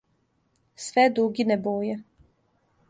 Све дугине боје.